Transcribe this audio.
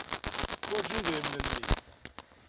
Ḥwajen idrimen-nni.